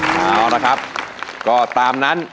เอาละครับก็ตามนั้น